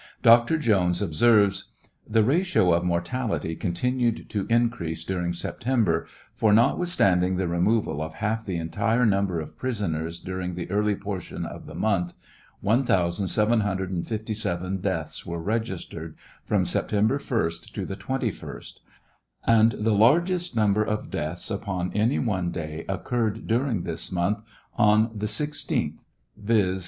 Dr. Jones observes : The ratio of mortality coutinued to increase during September, for, notwithstanding the removal of half the entire number of prisoners during the early portion of the month. 1,757 deaths were registered from September 1st to the 21st, and the largest number of deaths upon any one day occurred during this month, on the 16tb, viz.